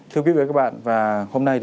thưa quý vị và các bạn và hôm nay